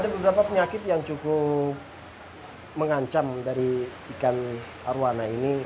ada beberapa penyakit yang cukup mengancam dari ikan arowana ini